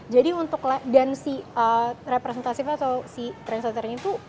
jadi untuk dan si representatif atau si translaternya itu udah juga harus di